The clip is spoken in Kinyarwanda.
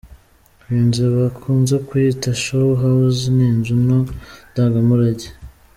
Iyi nzu bakunze kuyita “Shoe house” Ni inzu nto ndamugarage.